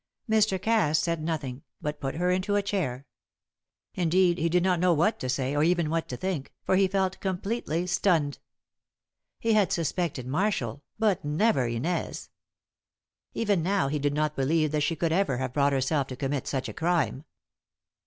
Mr. Cass said nothing, but put her into a chair. Indeed, he did not know what to say, or even what to think, for he felt completely stunned. He had suspected Marshall, but never Inez. Even now he did not believe that she could ever have brought herself to commit such a crime.